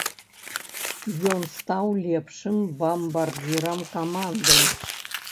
Ён стаў лепшым бамбардзірам каманды.